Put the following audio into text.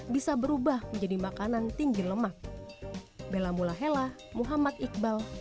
bisa berubah menjadi makanan tinggi lemak